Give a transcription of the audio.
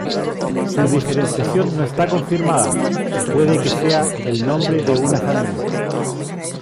Su diferenciación no está confirmada; puede que sea el nombre de una familia.